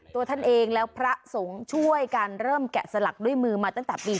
ตัวท่านเองและพระสงฆ์ช่วยกันเริ่มแกะสลักด้วยมือมาตั้งแต่ปี๒๕